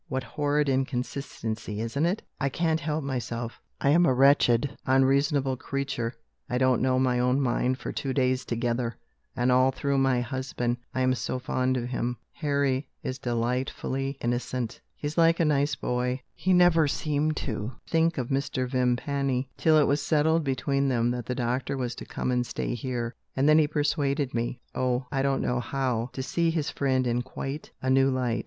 What horrid inconsistency, isn't it? I can't help myself; I am a wretched, unreasonable creature; I don't know my own mind for two days together, and all through my husband I am so fond of him; Harry is delightfully innocent; he's like a nice boy; he never seemed to think of Mr. Vimpany, till it was settled between them that the doctor was to come and stay here and then he persuaded me oh, I don't know how! to see his friend in quite a new light.